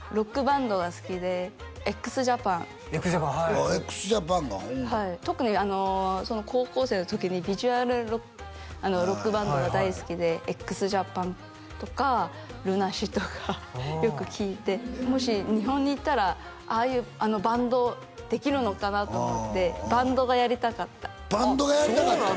ああＸＪＡＰＡＮかはい特に高校生の時にビジュアルロックバンドが大好きでＸＪＡＰＡＮとかＬＵＮＡＳＥＡとかよく聴いてもし日本に行ったらああいうバンドできるのかなと思ってバンドがやりたかったバンドがやりたかったん！？